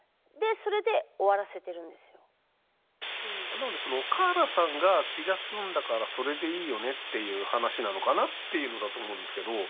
なのでその華原さんが気が済んだからそれでいいよねっていう話なのかなっていうのだと思うんですけど。